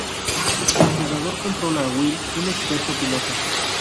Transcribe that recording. El jugador controla a Will, un experto piloto.